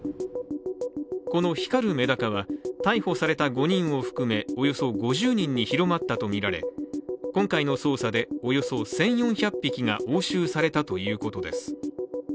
この光るめだかは逮捕された５人を含めおよそ５０人に広まったとみられ今回の捜査でおよそ１４００匹が押収されたということです。